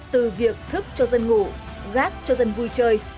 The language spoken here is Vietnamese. từ việc thức cho dân ngủ gác cho dân vui chơi